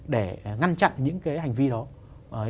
để ngăn chặn những cái hành vi đó